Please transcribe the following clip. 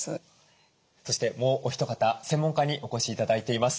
そしてもうお一方専門家にお越し頂いています。